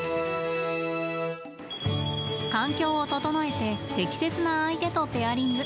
環境を整えて適切な相手とペアリング。